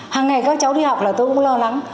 hàng ngày các cháu đi học là tôi cũng lo lắng